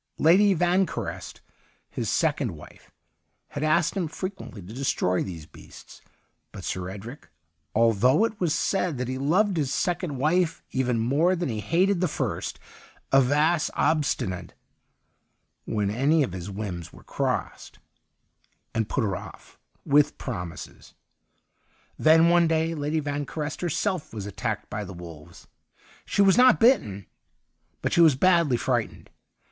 Lady Vanquerest, his second wife, had asked him frequently to destroy these beasts ; but Sir Edric, although it was said that he loved his second wife even more than he hated the first, Avas obstinate when any of his whims were crossed, and put her off with promises. Then one day Lady Vanquerest herself was attacked by the wolves ; she was not bitten, but she was badly frightened.